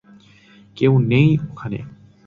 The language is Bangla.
কেউ নেই ওখানে।